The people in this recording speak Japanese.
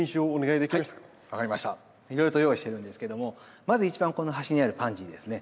いろいろと用意してるんですけどもまず一番この端にあるパンジーですね。